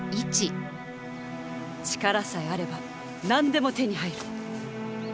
力さえあれば何でも手に入る！